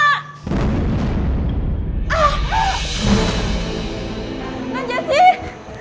hasil kayaknya soal